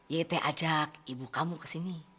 iyete ajak ibu kamu kesini